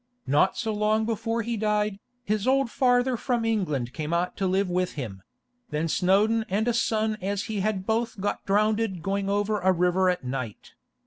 Not so long before he died, his old farther from England came out to live with him; then Snowdon and a son as he had both got drownded going over a river at night.